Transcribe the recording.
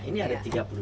ini ada tiga puluh dua